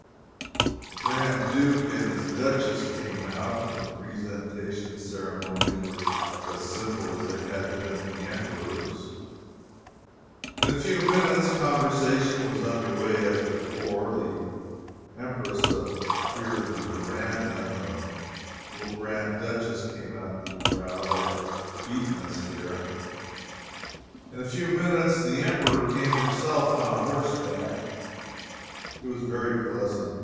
The Grand Duke and his Duchess came out, and the presentation ceremonies were as simple as they had been at the Emperor's. In a few minutes, conversation was under way, as before. The Empress appeared in the verandah, and the little Grand Duchess came out into the crowd. They had beaten us there. In a few minutes, the Emperor came himself on horseback. It was very pleasant.